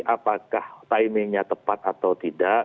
apakah timingnya tepat atau tidak